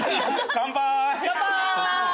乾杯！